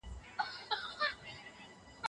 جنګونه ولې په ټولنو کې پېښيږي؟